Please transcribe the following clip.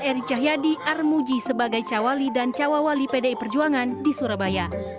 eri cahyadi armuji sebagai cawali dan cawawali pdi perjuangan di surabaya